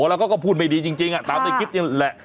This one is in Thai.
แล้วก็พูดไม่ดีจริงตามในคลิปนี่แหละ